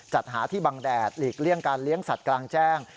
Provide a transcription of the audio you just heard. จัดหาที่บังแดดหลีกเลี่ยงการเลี้ยงสัตว์กลางแจ้ง